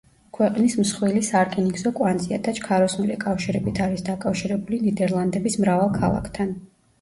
ქვეყნის მსხვილი სარკინიგზო კვანძია და ჩქაროსნული კავშირებით არის დაკავშირებული ნიდერლანდების მრავალ ქალაქთან.